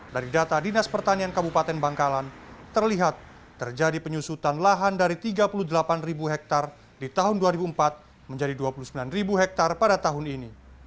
dari data dinas pertanian kabupaten bangkalan terlihat terjadi penyusutan lahan dari tiga puluh delapan hektare di tahun dua ribu empat menjadi dua puluh sembilan hektare pada tahun ini